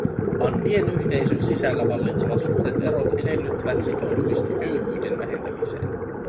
Andien yhteisön sisällä vallitsevat suuret erot edellyttävät sitoutumista köyhyyden vähentämiseen.